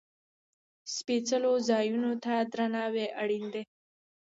سپېڅلو ځایونو ته درناوی اړین دی.